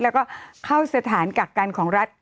แล้วก็เข้าสถานกักกันของรัฐ